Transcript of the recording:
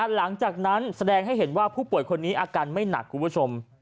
หลังจากนั้นแสดงให้เห็นว่าผู้ป่วยคนนี้อาการไม่หนักคุณผู้ชม